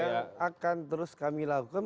yang akan terus kami lakukan